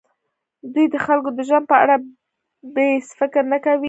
دوی د خلکو د ژوند په اړه بېڅ فکر نه کوي.